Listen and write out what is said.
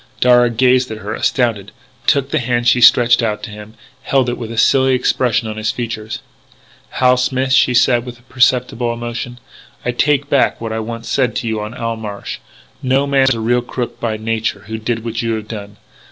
Darragh gazed at her, astounded; took the hand she stretched out to him; held it with a silly expression on his features. "Hal Smith," she said with perceptible emotion, "I take back what I once said to you on Owl Marsh. No man is a real crook by nature who did what you have done.